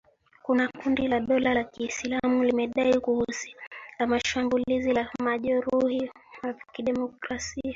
Kundi la dola ya Kiislamu limedai kuhusika na shambulizi la Jamhuri ya Kidemokrasia ya Kongo lililouwa watu kumi na tano